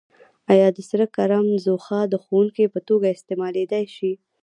آیا د سره کرم ځوښا د ښودونکي په توګه استعمالیدای شي؟